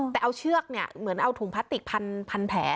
แต่เอาเชือกเนี่ยเหมือนเอาถุงพลาสติกพันแผล